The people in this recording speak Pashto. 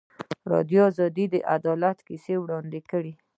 ازادي راډیو د عدالت کیسې وړاندې کړي.